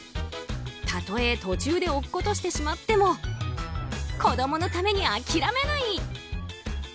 たとえ途中で落っことしてしまっても子供のために諦めない！